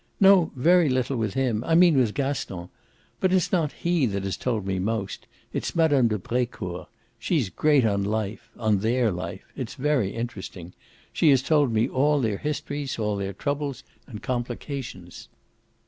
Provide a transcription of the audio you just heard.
"No, very little with him. I mean with Gaston. But it's not he that has told me most it's Mme. de Brecourt. She's great on life, on THEIR life it's very interesting. She has told me all their histories, all their troubles and complications."